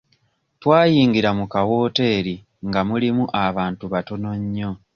Twayingira mu kawooteeri nga mulimu abantu batono nnyo.